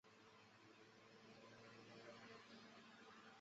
菲斯特是位于美国亚利桑那州阿帕契县的一个非建制地区。